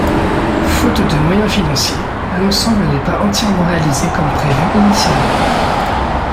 Faute de moyens financiers l'ensemble n'est pas entièrement réalisé comme prévu initialement.